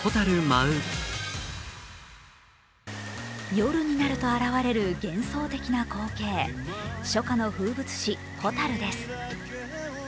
夜になると現れる幻想的な光景、初夏の風物詩、ホタルです。